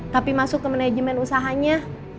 tapi masuk ke manajemen usahanya